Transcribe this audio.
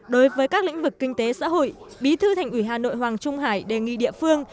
đối với các lĩnh vực kinh tế xã hội bí thư thành ủy hà nội hoàng trung hải đề nghị địa phương